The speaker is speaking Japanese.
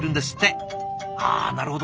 はあなるほど。